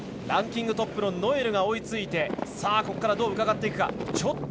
ランキングトップのノエルが追いついてどう、うかがっていくか。